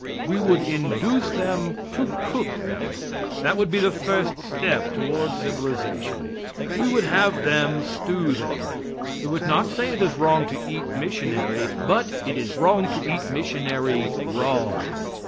We would induce them to cook them. That would be the first step toward civilization. We would have them stew them. We would not say it is wrong to eat missionary, but it is wrong to eat missionary raw.